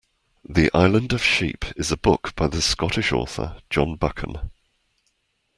The Island of Sheep is a book by the Scottish author John Buchan